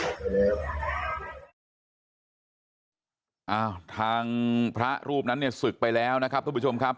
อ้าวทางพระรูปนั้นเนี่ยศึกไปแล้วนะครับทุกผู้ชมครับ